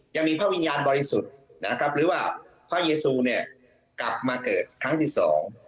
ยังมีพระวิญญาณบริสุทธิ์นะครับหรือว่าพระเยซูเนี่ยกลับมาเกิดครั้งที่สอง